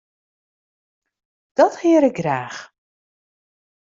Dat hear ik graach.